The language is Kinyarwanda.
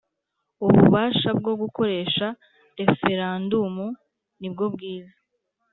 Ububasha bwo gukoresha referandumu nibwo bwiza